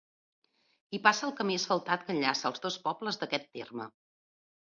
Hi passa el camí asfaltat que enllaça els dos pobles d'aquest terme.